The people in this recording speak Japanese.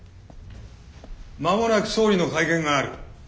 間もなく総理の会見がある。